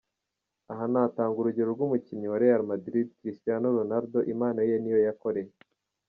Aha natanga urugero ry’umukinnyi wa Real Madrid, Cristiano Ronaldo impano ye niyo yakoreye.